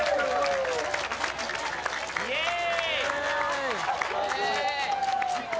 イエーイ